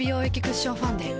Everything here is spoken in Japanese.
クッションファンデ